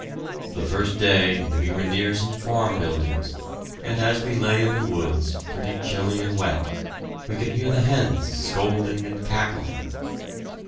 The first day we were near some farm buildings, and as we lay in the woods, pretty chilly and wet, we could hear the hens scolding and cackling.